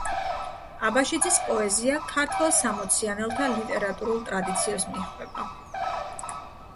აბაშიძის პოეზია ქართველ „სამოციანელთა“ ლიტერატურულ ტრადიციებს მიჰყვება.